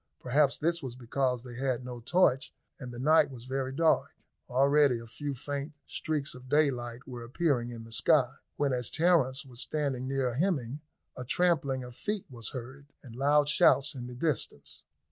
Perhaps this was because they had no torch, and the night was very dark. Already a few faint streaks of daylight were appearing in the sky, when, as Terence was standing near Hemming, a trampling of feet was heard, and loud shouts in the distance.